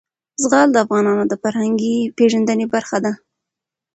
زغال د افغانانو د فرهنګي پیژندنې برخه ده.